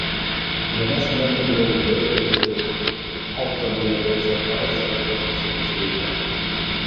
Бына шунан бирле ул бер өҙлөкһөҙ, ал-ҡыҙыл йондоҙсоҡтар осороп, сүкеш бейетә.